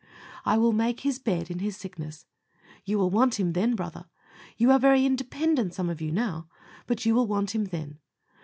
"I will make his bed in his sickness." You will want Him then, brother! You are very independent, some of you, now, but you will want Him then.